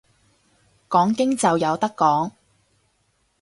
講經就有得講